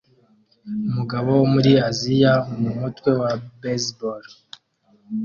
Umugabo wo muri Aziya mumutwe wa baseball